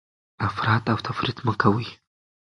افراط او تفریط مه کوئ.